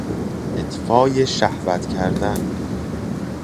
اطفای شهوت کردن